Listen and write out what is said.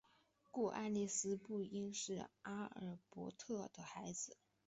故爱丽丝不应是阿尔伯特的孩子。